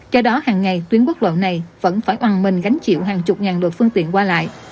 do đó hàng ngày tuyến quốc lộ này vẫn phải oàn mình gánh chịu hàng chục ngàn lượt phương tiện qua lại